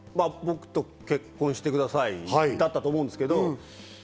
「僕と結婚してください」だったと思うんですけど。